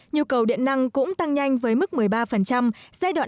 nhu cầu điện năng cũng tăng nhanh với mức một mươi ba giai đoạn hai nghìn sáu hai nghìn một mươi